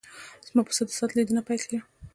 زما پسه د ساعت لیدنه پیل کړه.